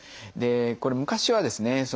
これ昔はですね